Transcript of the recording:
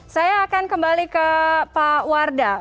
saya akan kembali ke pak wardah